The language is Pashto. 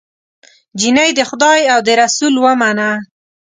جینۍ د خدای او د رسول ومنه